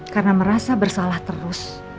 karena merasa bersalah terus